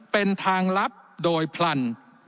เป็นทางลับโดยพลัน